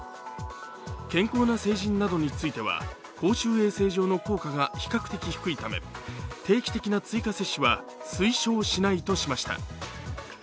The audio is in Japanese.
健康な成人などについては公衆衛生上の効果が比較的低いため定期的な追加接種は推奨しないとしました。